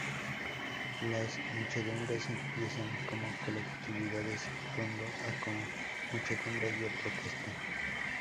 Las muchedumbres empiezan como colectividades, actuando, o como muchedumbres de protesta.